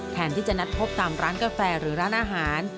แทนที่จะนัดพบตามร้านกาแฟหรือร้านอาหาร